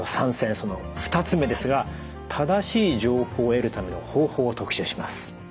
その２つ目ですが正しい情報を得るための方法を特集します。